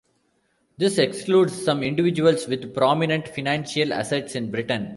This excludes some individuals with prominent financial assets in Britain.